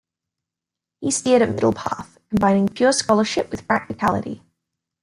He steered a middle path, combining pure scholarship with practicality.